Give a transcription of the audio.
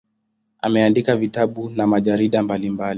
Ameandika vitabu na majarida mbalimbali.